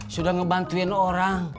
sudah ngebantuin orang